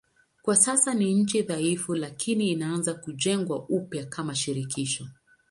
Kwa sasa ni nchi dhaifu lakini inaanza kujengwa upya kama shirikisho.